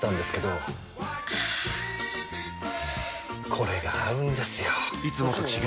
これが合うんですよ！